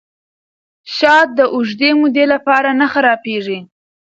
شات د اوږدې مودې لپاره نه خرابیږي.